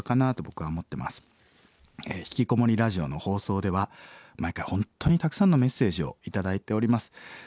「ひきこもりラジオ」の放送では毎回本当にたくさんのメッセージを頂いております。